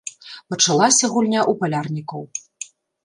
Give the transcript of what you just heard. Пачалася гульня ў палярнікаў.